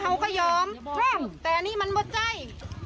เขาก็ยอมแต่อันนี้มันบดใจ